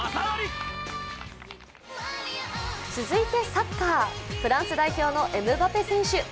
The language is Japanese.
続いてサッカー、フランス代表のエムバペ選手。